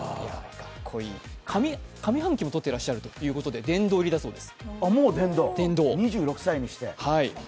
上半期も取ってらっしゃるということで、殿堂入りだそうです。